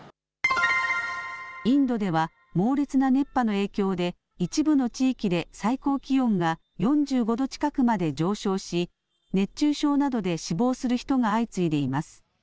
インドでは猛烈な熱波の影響で一部の地域で最高気温が４５度近くまで上昇し熱中症などで死亡する人が相次いでいます。